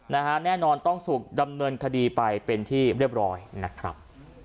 แน่นอนต้องถูกดำเนินคดีไปเป็นที่เรียบร้อยนะครับ